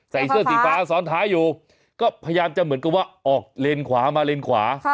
ใส่เสื้อสีฟ้าซ้อนท้ายอยู่ก็พยายามจะเหมือนกับว่าออกเลนขวามาเลนขวา